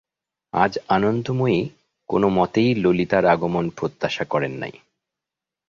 আজ আনন্দময়ী কোনোমতেই ললিতার আগমন প্রত্যাশা করেন নাই।